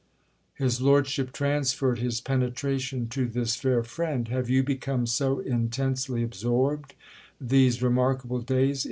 His lordship transferred his penetration to this fair friend, "Have you become so intensely absorbed—these remarkable days!